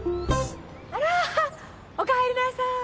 あらおかえりなさい。